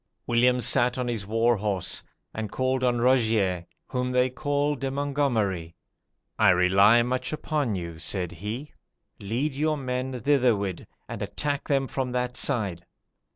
"William sat on his war horse, and called on Rogier, whom they call De Mongomeri. 'I rely much upon you,' said he: 'lead your men thitherward, and attack them from that side.